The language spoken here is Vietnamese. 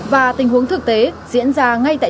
và tình huống thực tế diễn ra ngay tại